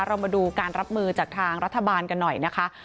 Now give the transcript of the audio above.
เรามาดูการรับมือจากทางรัฐบาลกันหน่อยนะคะ